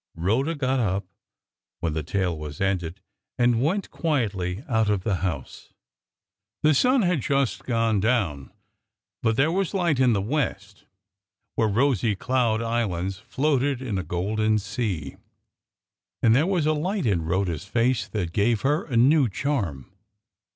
Rhoda got up, when the tale was ended, and went quietly out of the house. The sun had just gone down; but there was light in the west, where rosy cloud islands floated in a golden sea. And there was a light in Rhoda's face that gave her a new charm.